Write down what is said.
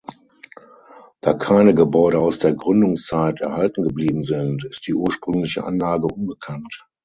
Da keine Gebäude aus der Gründungszeit erhalten geblieben sind, ist die ursprüngliche Anlage unbekannt.